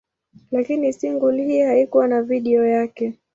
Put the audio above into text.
Lakini single hii haikuwa na video yake.